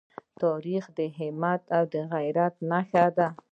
تاریخ د همت او غیرت نښان دی.